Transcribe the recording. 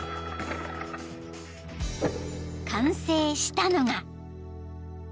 ［完成したのが］